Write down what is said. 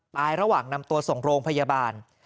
ระหว่างนำตัวส่งโรงพยาบาล